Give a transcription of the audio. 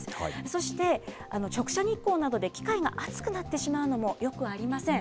そして、直射日光などで機械が熱くなってしまうのもよくありません。